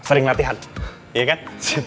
sering latihan iya kan